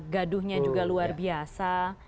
gaduhnya juga luar biasa